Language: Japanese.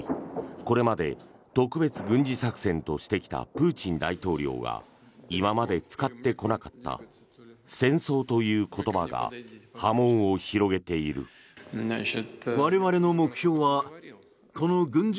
これまで特別軍事作戦としてきたプーチン大統領が今まで使ってこなかった戦争という言葉が私何すればいいんだろう？